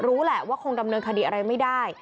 รู้แหละว่าคงดำเนินคดีอะไรไม่ได้